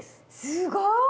すごい！